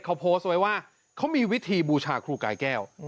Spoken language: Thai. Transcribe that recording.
เขาโพสต์ไว้ว่าเขามีวิธีบูชาครูกายแก้ว